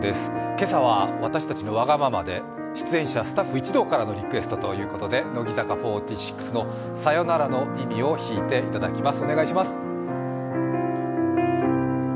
今朝は私たちのわがままで出演者スタッフ一同からのリクエストということで乃木坂４６の「サヨナラの意味」を弾いていただきます。